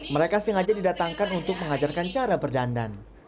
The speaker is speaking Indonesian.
mereka sengaja didatangkan untuk mengajarkan cara berdandan